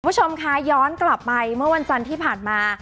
คุณผู้ชมคะย้อนกลับไปเมื่อวันจันทร์ที่ผ่านมา